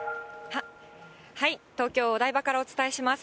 東京・お台場からお伝えします。